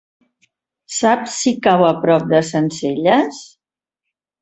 Saps si cau a prop de Sencelles?